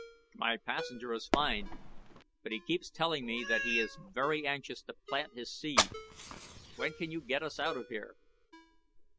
"My passenger is fine. But he keeps telling me that he is very anxious to plant his seed. When can you get us out of here?"